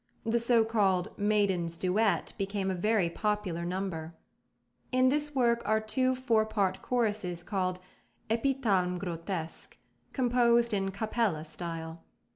The so called "Maidens' Duet" became a very popular number. In this work are two four part choruses called "Épithalme grotesque," composed in capella style.